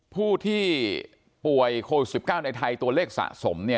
ผู้ที่ป่วยโคล๑๙ในไทยตัวเลขสะสมเนี่ย